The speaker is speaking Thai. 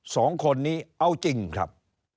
สองคนนี้เอาจริงครับ